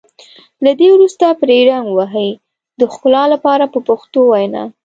له دې وروسته پرې رنګ ووهئ د ښکلا لپاره په پښتو وینا.